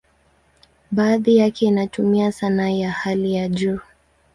Baadhi yake inatumia sanaa ya hali ya juu.